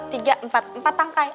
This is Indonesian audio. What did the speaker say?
tiga empat empat tangkai